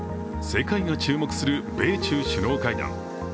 世界が注目する米中首脳会談。